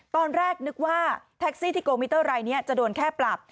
ตอนแรกนึกว่าแท็กซี่ที่โกมิเตอร์รายนี้จะโดนแค่ปรับ